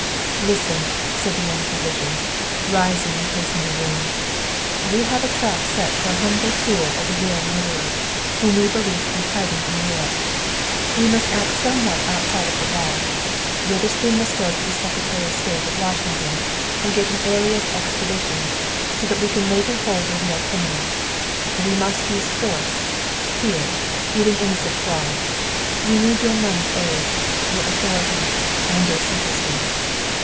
"Listen!" said the young physician, rising and pacing the room. "We have a trap set for a humble tool of the real murderer, whom we believe to be hiding in Europe. We must act somewhat outside of the law. Witherspoon must go to the Secretary of State at Washington and get an alias extradition, so that we can later hold the real criminal. We must use force, fear, even innocent fraud. We need your money aid, your authority, and your secrecy."